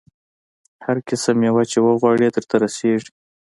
هر قسم مېوه چې وغواړې درته رسېږي.